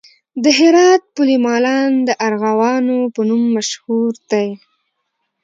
د هرات پل مالان د ارغوانو په نوم مشهور دی